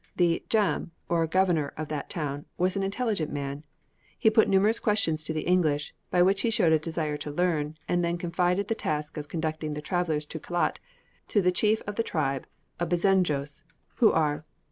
The "Djam," or governor of that town, was an intelligent man. He put numerous questions to the English, by which he showed a desire to learn, and then confided the task of conducting the travellers to Kelat, to the chief of the tribe of Bezendjos, who are Belutchis.